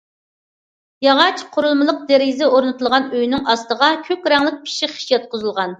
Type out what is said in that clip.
ياغاچ قۇرۇلمىلىق دېرىزە ئورنىتىلغان ئۆينىڭ ئاستىغا كۆك رەڭلىك پىششىق خىش ياتقۇزۇلغان.